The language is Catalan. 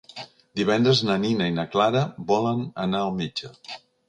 Divendres na Nina i na Clara volen anar al metge.